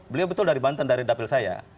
beliau betul dari banten dari dapil saya